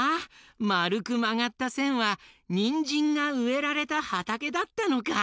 まるくまがったせんはにんじんがうえられたはたけだったのか！